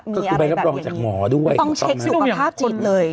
มีอะไรแบบอย่างนี้ต้องเช็คสุขภาพจิตเลยต้องมีแพทย์รับรองจากหมอด้วย